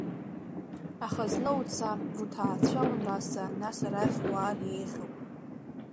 Аха зны уца, уҭаацәа унразҵаа, нас арахь уаар еиӷьуп.